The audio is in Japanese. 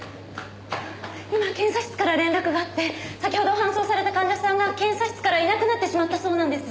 今検査室から連絡があって先ほど搬送された患者さんが検査室からいなくなってしまったそうなんです。